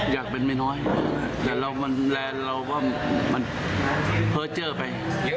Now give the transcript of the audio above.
อยากเป็นไม่น้อยแต่เรามันและเราก็มันเผาเจอไป